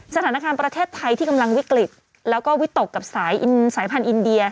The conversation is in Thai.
สถานการณ์ประเทศไทยที่กำลังวิกฤตแล้วก็วิตกกับสายพันธุ์อินเดีย